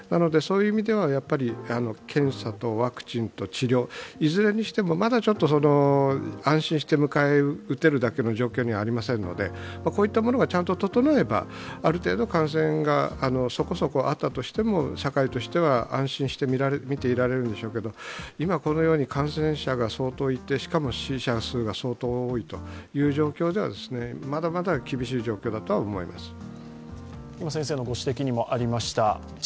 そういう意味では検査とワクチンと治療いずれにしてもまだちょっと安心して迎え撃てるだけの状況ではありませんのでこういったものがちゃんと整えばある程度感染が、そこそこあったとしても、社会としては安心して見ていられるんでしょうけれども、今このように感染者が相当いて、しかも死者数が相当多いという状況ではまだまだ厳しい状況だとは思います。